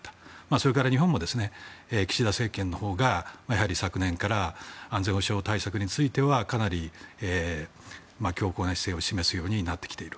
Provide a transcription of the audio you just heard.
それから日本も岸田政権のほうが昨年から安全保障対策についてはかなり強硬な姿勢を示すようになってきている。